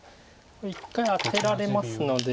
これ１回アテられますので。